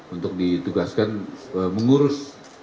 untuk ditugaskan mengurus